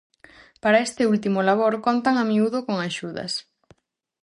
Para este último labor contan a miúdo con axudas.